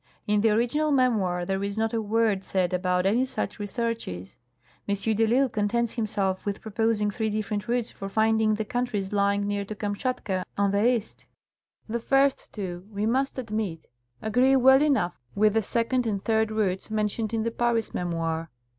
In the original memoir there is not a word said about any such researches. M. de I'Isle contents himself with proposing three differ ent routes for finding the countries lying near to Kamshatka on the east. Account of the Russian Officer (Waxel). 225 The first two, we must admit, agree well enough with the second and third routes mentioned in the Paris memoir.